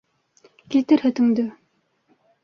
Килтер һөтөңдө...